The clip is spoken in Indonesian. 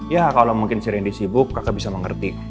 ya kalo si randy sibuk kakak bisa mengerti